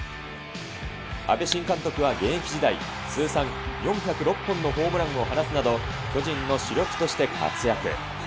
阿部新監督は現役時代、通算４０６本のホームランを放つなど、巨人の主力として活躍。